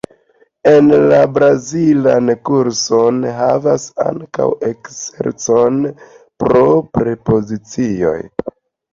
En la brazilan kurson havas ankaŭ eksercojn pro prepozicioj.